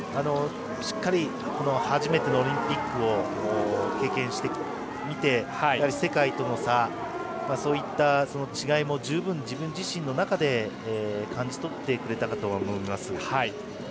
初めてのオリンピックを経験してみて世界との差、そういった違いも十分、自分自身の中で感じ取ってくれたかと思います。